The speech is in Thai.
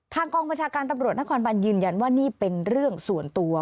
กองบัญชาการตำรวจนครบันยืนยันว่านี่เป็นเรื่องส่วนตัว